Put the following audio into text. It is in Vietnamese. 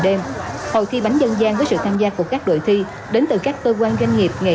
đêm hội thi bánh dân gian với sự tham gia của các đội thi đến từ các cơ quan doanh nghiệp nghệ